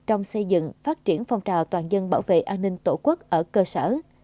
trong xây dựng phát triển phong trào toàn dân bảo vệ an ninh tổ quốc ở cơ sở